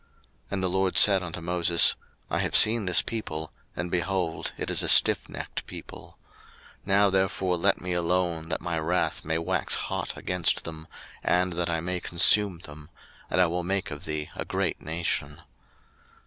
02:032:009 And the LORD said unto Moses, I have seen this people, and, behold, it is a stiffnecked people: 02:032:010 Now therefore let me alone, that my wrath may wax hot against them, and that I may consume them: and I will make of thee a great nation.